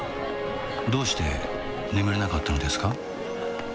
どうして眠れなかったのですか？